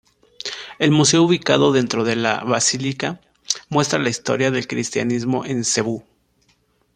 El museo ubicado dentro de la basílica, muestra la historia del cristianismo en Cebú.